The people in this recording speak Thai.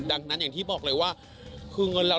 ดังนั้นอย่างที่บอกเลยว่าคือเงินเรา